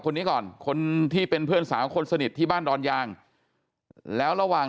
คนนี้ก่อนคนที่เป็นเพื่อนสาวคนสนิทที่บ้านดอนยางแล้วระหว่าง